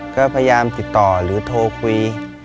ก็พยายามติดต่อหรือโทรคุย